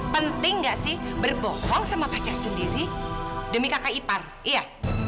penting gak sih berbohong sama pacar sendiri demi kakak ipar iya